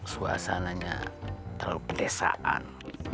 suasananya terlalu pedesaan